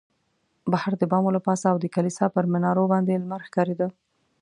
بهر د بامو له پاسه او د کلیسا پر منارو باندې لمر ښکارېده.